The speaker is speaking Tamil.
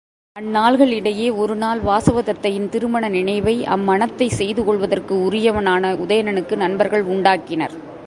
அந்நாள்களிடையே ஒருநாள் வாசவதத்தையின் திருமண நினைவை அம் மணத்தைச் செய்து கொள்வதற்கு உரியவனான உதயணனுக்கு நண்பர்கள் உண்டாக்கினர்.